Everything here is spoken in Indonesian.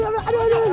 aduh aduh aduh